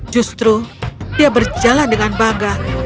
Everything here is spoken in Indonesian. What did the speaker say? justru dia berjalan dengan bangga